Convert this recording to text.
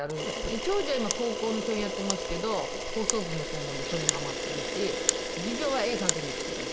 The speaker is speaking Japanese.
長女は今高校の教員をやっていますけど放送部の顧問でそれにハマっているし次女は絵描くの好きだし。